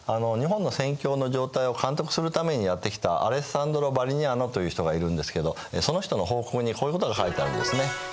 日本の宣教の状態を監督するためにやって来たアレッサンドロ・ヴァリニャーノという人がいるんですけどその人の報告にこういうことが書いてあるんですね。